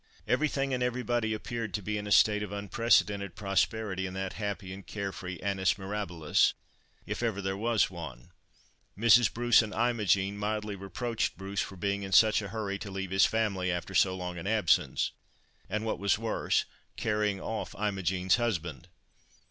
Everything and everybody appeared to be in a state of unprecedented prosperity in that happy and care free annus mirabilis if ever there was one. Mrs. Bruce and Imogen mildly reproached Bruce for being in such a hurry to leave his family after so long an absence, and what was worse, carrying off Imogen's husband.